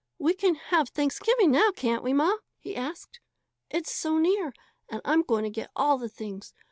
"We can have Thanksgiving now, can't we, Ma?" he asked. "It's so near; and I'm going to get all the things.